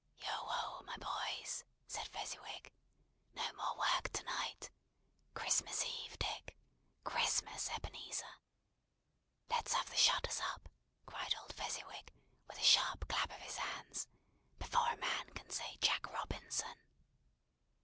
"Yo ho, my boys!" said Fezziwig. "No more work to night. Christmas Eve, Dick. Christmas, Ebenezer! Let's have the shutters up," cried old Fezziwig, with a sharp clap of his hands, "before a man can say Jack Robinson!"